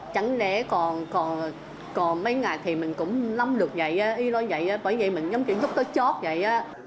chẳng lẽ còn mấy ngày thì mình cũng lâm được vậy bởi vậy mình giống kiểu giúp tới chót vậy